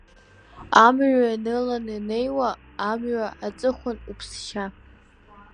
Амҩа ианыланы инеиуа, амҩа аҵыхәан уԥсшьа.